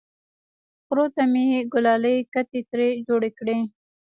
خرو ته مې ګلالۍ کتې ترې جوړې کړې!